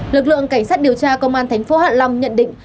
lực lượng cảnh sát điều tra công an tp hạ long nhận định